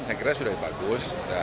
saya kira sudah bagus